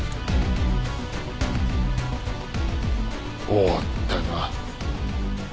終わったな。